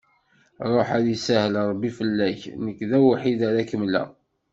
Ruḥ ad isahel Ṛebbi fell-ak, nekk d awḥid ara kemmleγ.